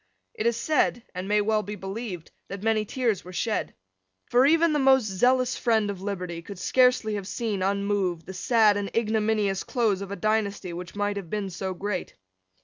It is said, and may well be believed, that many tears were shed. For even the most zealous friend of liberty could scarcely have seen, unmoved, the sad and ignominious close of a dynasty which might have been so great.